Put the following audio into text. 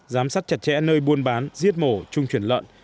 giám sát chặt chẽ nơi buôn bán giết mổ trung chuyển lợn